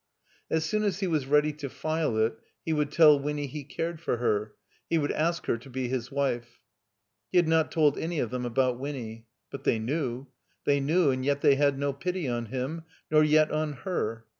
As soon as he was ready to file it he would tell Winny he cared for her. He would ask her to be his wife. He had not told any of them, about Winny. But they knew. They knew and yet they had no pity on him, nor yet on her.